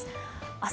明日